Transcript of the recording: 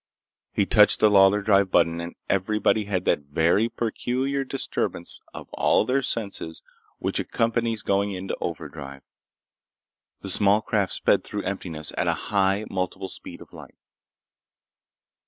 He touched the Lawlor drive button and everybody had that very peculiar disturbance of all their senses which accompanies going into overdrive. The small craft sped through emptiness at a high multiple of the speed of light.